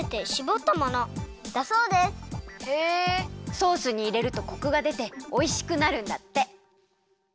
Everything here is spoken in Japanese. ソースにいれるとコクがでておいしくなるんだって。